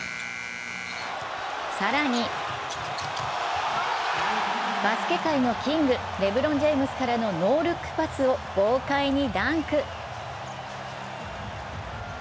更にバスケ界のキングレブロン・ジェームズからのノールックパスを豪快にダンク。